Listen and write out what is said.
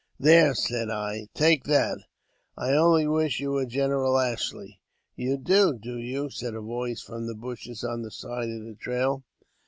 " There," said I, " take that ! I only wish you were General Ashley." " You do, do you ?" said a voice from the bushes on the side of the trail.